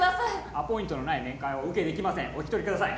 アポイントのない面会はお受けできませんお引き取りください